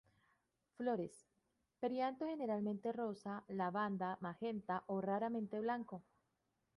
Flores: perianto generalmente rosa, lavanda, magenta o, raramente blanco.